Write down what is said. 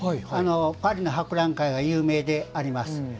パリの博覧会が有名であります。